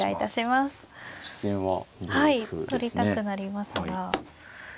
取りたくなりますが。